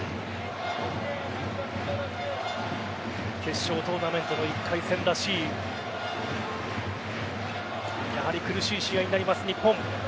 決勝トーナメントの１回戦らしいやはり苦しい試合になります日本。